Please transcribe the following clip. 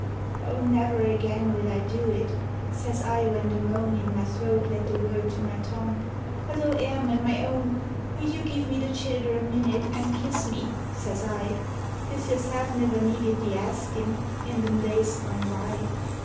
"O never again will I do it," says I, when the moan In my throat let the word to my tongue. " But O Emun, my own, Will you give me the childher a minute, an' kiss me," says I, " 'Tis yourself niver needed the askin' in thim days gone by."